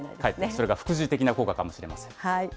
それが副次的な効果かもしれません。